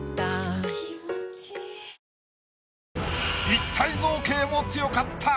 立体造形も強かった！